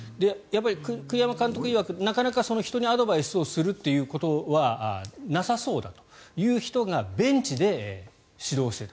栗山監督いわく、なかなか人にアドバイスするということはなさそうだという人がベンチで指導していた。